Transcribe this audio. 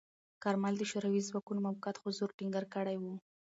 کارمل د شوروي ځواکونو موقت حضور ټینګار کړی و.